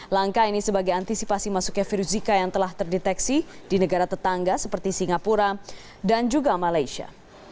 langkah ini sebagai antisipasi masuknya virus zika yang telah terdeteksi di negara tetangga seperti singapura dan juga malaysia